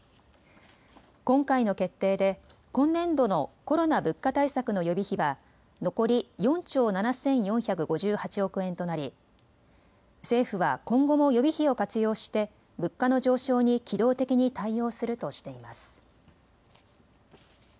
今回の決定で今年度のコロナ・物価対策の予備費は残り４兆７４５８億円となり政府は今後も予備費を活用して物価の上昇に機動的に対応するとしています。